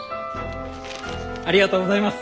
ありがとうございます！